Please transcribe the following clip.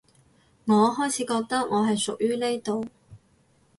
我開始覺得我係屬於呢度